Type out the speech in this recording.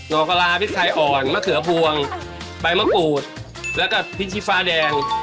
อกกะลาพริกไทยอ่อนมะเขือพวงใบมะกรูดแล้วก็พริกชีฟ้าแดง